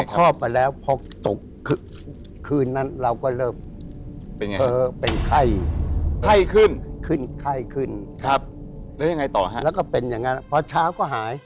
อเจมส์อเจมส์อเจมส์อเจมส์